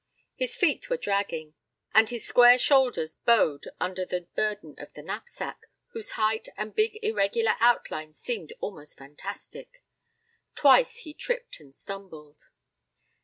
His feet were dragging, and his square shoulders bowed under the burden of the knapsack, whose height and big irregular outline seemed almost fantastic. Twice he tripped and stumbled.